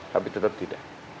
papi tetap tidak